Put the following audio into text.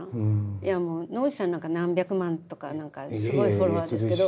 いやもう野口さんなんか何百万とか何かすごいフォロワーですけど。